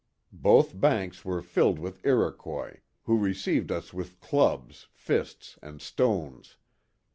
Both banks were filled with Iroquois, who received us with clubs, fists and stones.